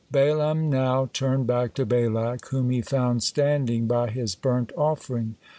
Balaam now turned back to Balak, whom he found standing by his burnt offering.